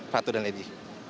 ratu dan edi